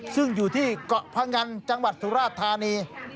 ซึ่งอยู่ที่เกาะพงันจังหวัดสุราชธานี